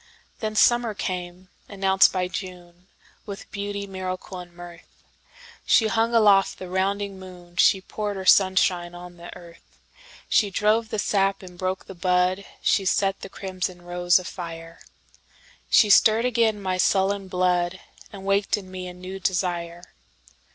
Then summer came, announced by June, With beauty, miracle and mirth. She hung aloft the rounding moon, She poured her sunshine on the earth, She drove the sap and broke the bud, She set the crimson rose afire. She stirred again my sullen blood, And waked in me a new desire.